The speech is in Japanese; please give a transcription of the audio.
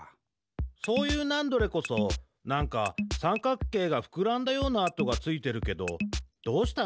そういうナンドレこそなんかさんかくけいがふくらんだような跡がついてるけどどうしたの？